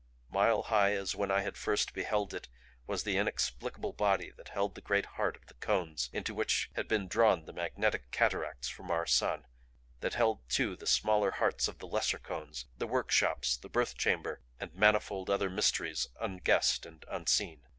Mile high as when I had first beheld it was the inexplicable body that held the great heart of the cones into which had been drawn the magnetic cataracts from our sun; that held too the smaller hearts of the lesser cones, the workshops, the birth chamber and manifold other mysteries unguessed and unseen.